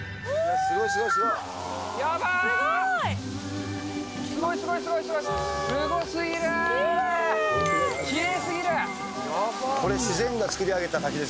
すごいすごいすごい。